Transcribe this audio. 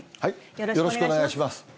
よろしくお願いします。